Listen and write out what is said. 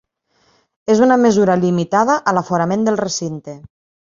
És una mesura limitada a l’aforament del recinte.